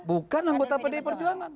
bukan anggota pdi perjuangan